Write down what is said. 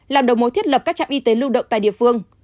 làm đầu mối thiết lập các trạm y tế lưu động tại địa phương